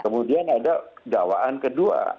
kemudian ada dawaan kedua